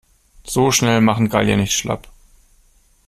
So schnell machen Gallier nicht schlapp.